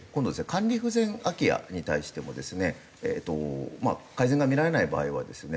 管理不全空き家に対してもですね改善が見られない場合はですね